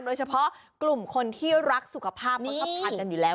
โดยเฉพาะกลุ่มคนที่รักสุขภาพเค้าชอบครับกันอยู่แล้ว